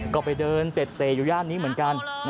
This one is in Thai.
ก็ไปเดินเต็ดเตะอยู่ย่านนี้เหมือนกัน